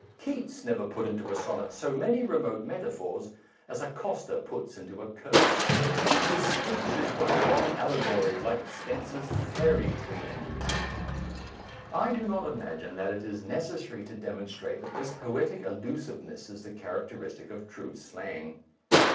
Keats never put into a sonnet so many re mote metaphors as a coster puts into a curse ; his speech is one long allegory, like Spenser's *' Faerie Queen." i 1 1 do not imagine that it is necessary to demonstrate that this poetic allusiveness is the characteristic of true slang.